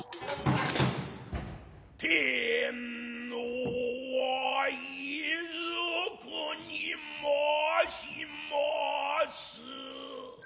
天皇はいづくにまします。